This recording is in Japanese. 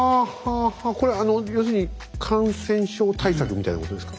これ要するに感染症対策みたいなことですか？